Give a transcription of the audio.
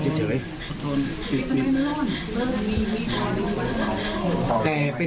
หักไหม